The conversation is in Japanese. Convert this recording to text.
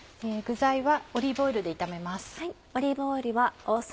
具材はオリーブオイルで炒めます。